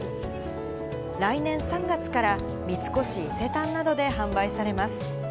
来年３月から三越伊勢丹などで販売されます。